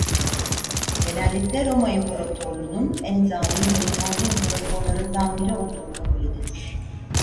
Genellikle Roma İmparatorluğu'nun en zalim ve kanlı İmparatorlarından biri olduğu kabul edilir.